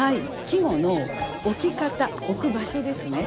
「季語の置き方置く場所」ですね。